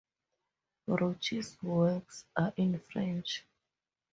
Roche's works are in French.